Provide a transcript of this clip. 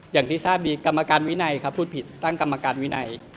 อย่างที่ทราบดีกรรมการวินัยครับพูดผิดตั้งกรรมการวินัย